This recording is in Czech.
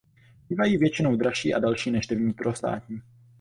Bývají většinou dražší a delší než ty vnitrostátní.